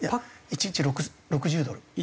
１日６０ドル。